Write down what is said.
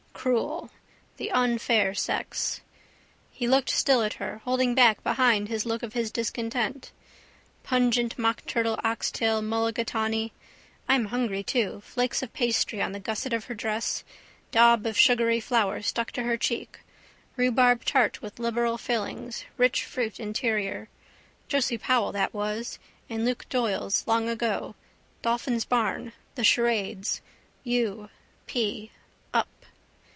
Cruel. The unfair sex. He looked still at her, holding back behind his look his discontent. Pungent mockturtle oxtail mulligatawny. I'm hungry too. Flakes of pastry on the gusset of her dress: daub of sugary flour stuck to her cheek. Rhubarb tart with liberal fillings, rich fruit interior. Josie Powell that was. In Luke Doyle's long ago. Dolphin's Barn, the charades. U. p: up.